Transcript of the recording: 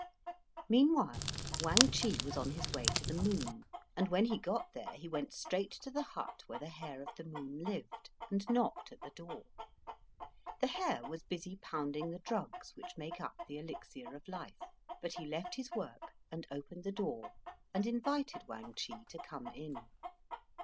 Meanwhile, Wang Chih was on his way to the moon, and when he got there he went straight to the hut where the Hare of the Moon lived, and knocked at the door. The Hare was busy pounding the drugs which make up the elixir of life; but he left his work, and opened the door, and invited Wang Chih to come in.